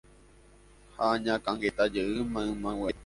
ha añakãngetajeýma ymaguarére